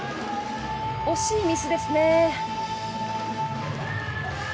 惜しいミスですね。